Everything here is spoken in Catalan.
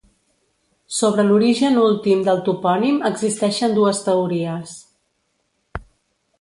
Sobre l'origen últim del topònim existeixen dues teories.